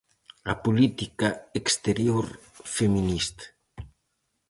A política exterior feminista.